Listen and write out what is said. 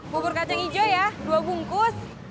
kubur kacang ijo ya dua bungkus